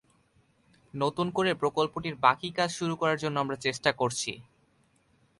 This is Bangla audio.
নতুন করে প্রকল্পটির বাকি কাজ শুরু করার জন্য আমরা চেষ্টা করছি।